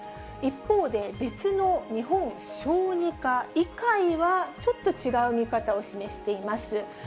一方で、別の日本小児科医会は、ちょっと違う見方を示しています。